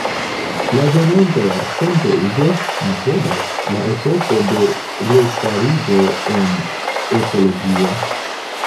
La venonta jarcento iĝos, mi kredas, la epoko de restarigo en ekologio".